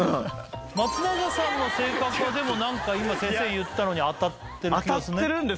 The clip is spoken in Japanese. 松永さんの性格はでもなんか今先生言ったのに当たってる気がするね。